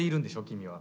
君は。